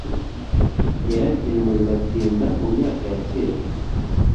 yarabyinwe biratinda mu myaka ya kera